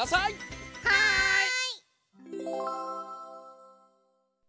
はい！